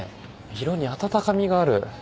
色に温かみがある。